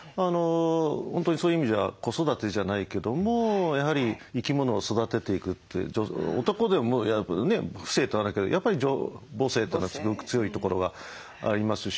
本当にそういう意味じゃ子育てじゃないけどもやはり生き物を育てていくって男でもね父性ってあるけどやっぱり母性ってのはすごく強いところがありますし。